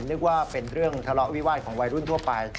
นึกว่าเป็นเรื่องทะเลาะวิวาสของวัยรุ่นทั่วไป